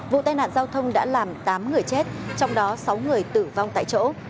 vụ tai nạn giao thông đã làm tám người chết trong đó sáu người tử vong tại chỗ